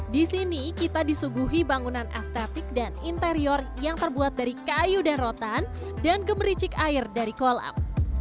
di sini kita disuguhi bangunan estetik dan interior yang terbuat dari kayu dan rotan dan gemericik air dari kolam